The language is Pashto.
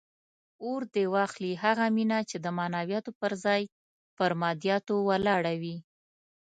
اور دې واخلي هغه مینه چې د معنویاتو پر ځای پر مادیاتو ولاړه وي.